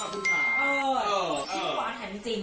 ชิบหวานแทนจริง